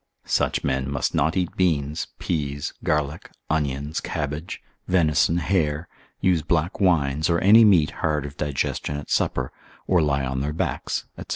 Such men must not eat beans, peas, garlic, onions, cabbage, venison, hare, use black wines, or any meat hard of digestion at supper, or lie on their backs, &c.